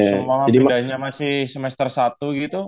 kalau pindahnya masih semester satu gitu